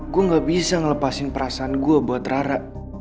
gue gak bisa ngelepasin perasaan gue buat rara